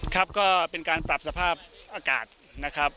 ครับก็เป็นการปรับสภาพอากาศนะครับ